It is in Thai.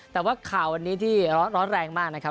แต่ว่าข่าววันนี้ที่ร้อนแรงมากนะครับ